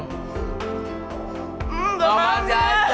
hmm enggak maunya